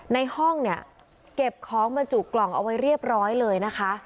ในห้องเนี่ยเก็บของบรรจุกล่องเอาไว้เรียบร้อยเลยนะคะ